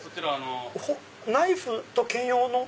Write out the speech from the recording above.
ナイフと兼用の？